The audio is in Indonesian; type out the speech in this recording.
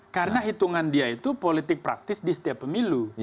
karena hitungan dia itu politik praktis di setiap pemilu